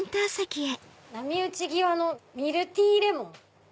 「波打ち際のミルティレモン」。